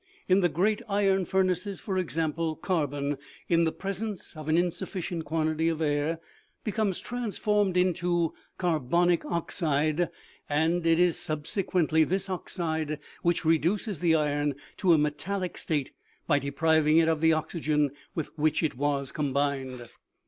In the great iron furnaces, for example, carbon, in the presence of an insufficient quantity of air, becomes transformed into carbonic oxide, and it is sub sequently this oxide which reduces the iron to a metallic state, by depriving it of the oxygen with which it was combined.